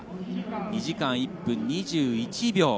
２時間１分２１秒。